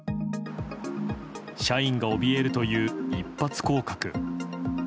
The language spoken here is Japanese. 社員がおびえるという一発降格。